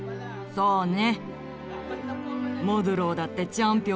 そうね。